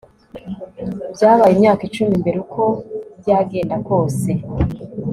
byabaye imyaka icumi mbere, uko byagenda kose